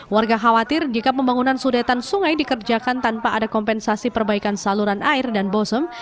warga khawatir jika pembangunan sudetan sungai dikerjakan tanpa ada kompensasi perbaikan saluran air dan bozem